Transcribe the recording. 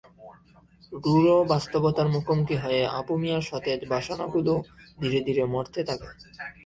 রূঢ় বাস্তবতার মুখোমুখি হয়ে আবু মিয়ার সতেজ বাসনাগুলো ধীরে ধীরে মরতে থাকে।